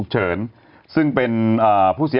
ฮ่า